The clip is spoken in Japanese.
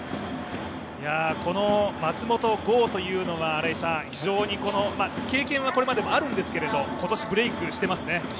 この松本剛というのは、経験はこれまでもあるんですけれど今年ブレークしていますね。